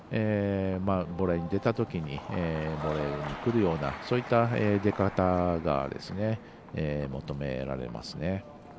ボレーに出たときにくるようなそういった出方が求められますね。